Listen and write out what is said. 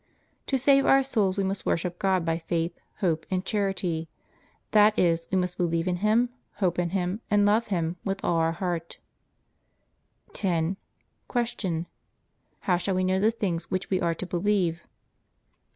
To save our souls we must worship God by faith, hope, and charity; that is, we must believe in Him, hope in Him, and love Him with all our heart. 10. Q. How shall we know the things which we are to believe?